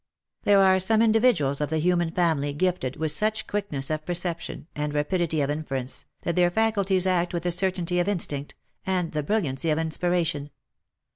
There are some individuals of the human family gifted with such quickness of perception, and rapidity of inference, that their faculties act with the certainty of instinct, and the brilliancy of inspiration.